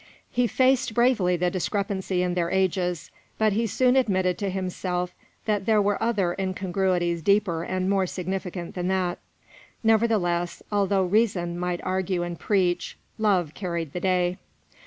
He faced bravely the discrepancy in their ages, but he soon admitted to himself that there were other incongruities deeper and more significant than that. Nevertheless, although Reason might argue and preach, Love carried the day.